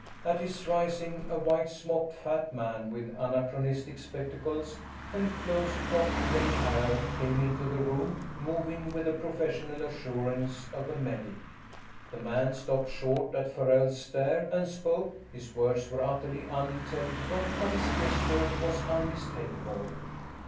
At his rising, a white smocked fat man with anachronistic spectacles and close cropped gray hair came into the room, moving with the professional assurance of a medic. The man stopped short at Farrell's stare and spoke; his words were utterly unintelligible, but his gesture was unmistakable.